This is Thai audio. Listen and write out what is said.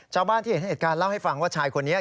ชาวบ้านที่เห็นเหตุการณ์เล่าให้ฟังว่าชายคนนี้